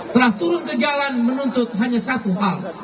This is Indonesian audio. telah turun ke jalan menuntut hanya satu hal